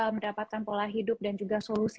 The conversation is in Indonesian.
mendapatkan pola hidup dan juga solusi